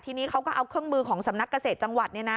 ทีนี้เขาก็เอาเครื่องมือของสำนักเกษตรจังหวัด